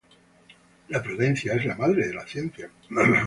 La prudencia es la madre de la ciencia.